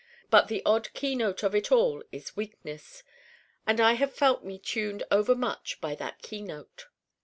But the odd keynote of it all is weakness. And I have felt me tuned overmuch by that keynote.